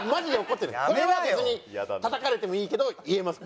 これは別にたたかれてもいいけど言えます。